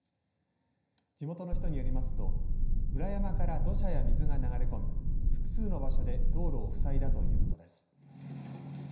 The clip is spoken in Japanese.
地元の人によりますと裏山から土砂や水が流れ込み複数の場所で道路を塞いだということです。